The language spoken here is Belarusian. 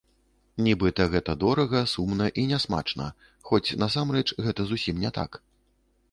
Нібыта гэта дорага, сумна і нясмачна, хоць насамрэч гэта зусім не так.